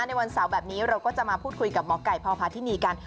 ในวันเสาร์แบบนี้เราก็จะมาพูดคุยกับหมอไก่พพาธินีกัน